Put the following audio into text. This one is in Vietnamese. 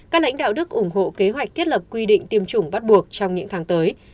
các lãnh đạo đức ủng hộ kế hoạch thiết lập quy định tiêm chủng bắt buộc trong những tháng tới